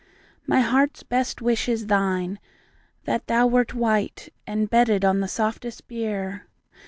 My heart's best wish is thine, — That thou wert white, and bedded On the softest bier.